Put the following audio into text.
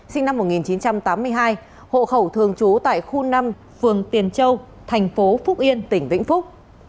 sinh năm một nghìn chín trăm tám mươi hai hộ khẩu thường trú tại khu năm phường tiền châu thành phố phúc yên tỉnh vĩnh phúc